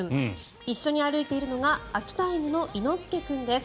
一緒に歩いているのが秋田犬の猪之助君です。